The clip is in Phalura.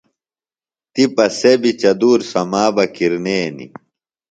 تِپہ سےۡ بیۡ چدُور سما بہ کِرنینیۡ۔